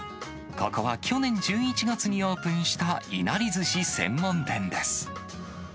ここは去年１１月にオープンしたいなりずし専門店です。